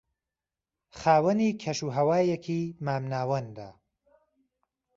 خاوەنی کەش و ھەوایەکی مام ناوەندە